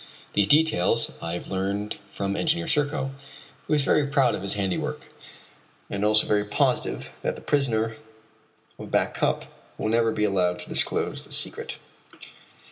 These details I have learned from Engineer Serko, who is very proud of his handiwork, and also very positive that the prisoner of Back Cup will never be able to disclose the secret.